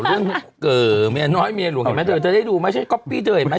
เมียน้อยเมียหลวงเธอได้ดูไหมฉันก๊อปปี้เธอเห็นไหม